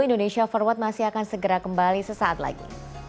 indonesia forward masih akan segera kembali sesaat lagi